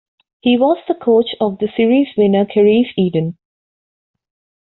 He was the coach of the series winner Karise Eden.